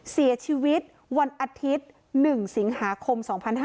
เสียชีวิตวันอาทิตย์๑สิงหาคม๒๕๕๙